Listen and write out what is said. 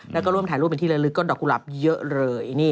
แล้วก็ร่วมถ่ายรูปเป็นที่ละลึกก็ดอกกุหลาบเยอะเลย